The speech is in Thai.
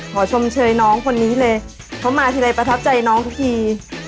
ชมเชยน้องคนนี้เลยเขามาทีใดประทับใจน้องที